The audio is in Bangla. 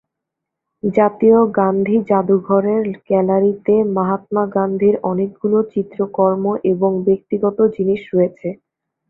জাতীয় গান্ধী জাদুঘরের গ্যালারিতে মহাত্মা গান্ধীর অনেকগুলো চিত্রকর্ম এবং ব্যক্তিগত জিনিস রয়েছে।